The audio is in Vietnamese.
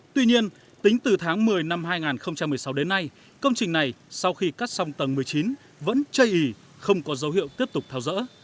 tuy nhiên tính từ tháng một mươi năm hai nghìn một mươi sáu đến nay công trình này sau khi cắt xong tầng một mươi chín vẫn chây ý không có dấu hiệu tiếp tục tháo rỡ